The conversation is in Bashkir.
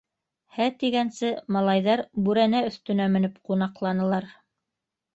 Һә тигәнсе малайҙар бүрәнә өҫтөнә менеп ҡунаҡланылар.